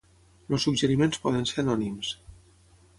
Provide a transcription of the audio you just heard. Els suggeriments poden ser anònims.